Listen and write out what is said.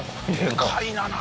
でかいな鍋！